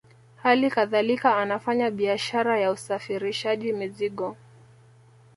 Hali kadhalika anafanya biashara ya usafirishaji mizigo